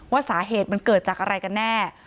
ว่าสาเหตุมันเกิดจากอะไรกันแน่